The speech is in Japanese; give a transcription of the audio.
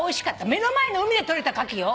目の前の海でとれたカキよ。